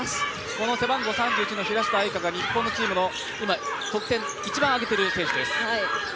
この背番号３１の平下愛佳が日本のチームの得点を一番挙げている選手です。